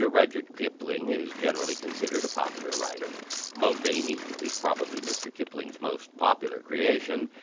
Rudyard Kipling is generally considered a popular writer. Mulvaney is probably Mr. Kipling's most popular creation.